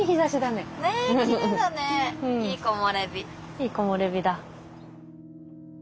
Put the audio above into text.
いい木漏れ日だ。